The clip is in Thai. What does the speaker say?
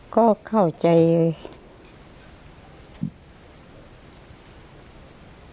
ก็เข้าใจเลย